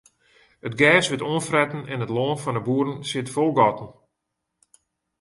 It gers wurdt oanfretten en it lân fan de boeren sit fol gatten.